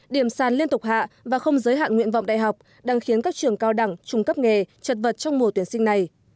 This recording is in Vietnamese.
điểm sàn liên tục hạ và không giới hạn nguyện vọng đại học đang khiến các trường cao đẳng trung cấp nghề chật vật trong mùa tuyển sinh này